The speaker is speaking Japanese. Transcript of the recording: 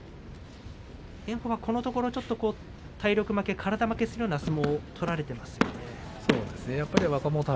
炎鵬はこのところ体力負け、体負けするような相撲を取られていますね。